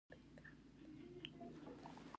خور د زده کړو په برخه کې هڅه کوي.